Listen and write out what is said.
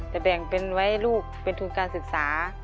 จะแบ่งไว้ลูกเป็นทุนการศึกษา